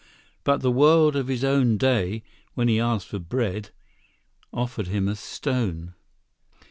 But the world of his own day, when he asked for bread, offered him a stone.